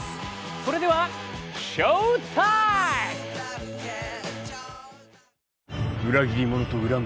それではショータイム！